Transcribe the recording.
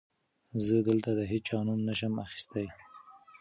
زه دلته د هېچا نوم نه شم اخيستی.